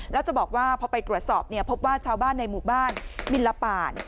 แล้วจะบอกว่าพอไปตรวจสอบพบว่าชาวบ้านในหมู่บ้านมิลป่าน